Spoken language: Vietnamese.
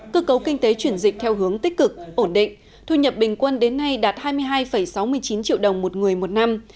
cơ cấu kinh tế chuyển dịch theo hướng tích cực ổn định thu nhập bình quân đến nay đạt hai mươi hai sáu mươi chín triệu đồng một người một năm